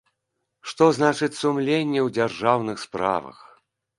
Што значыць сумленне ў дзяржаўных справах?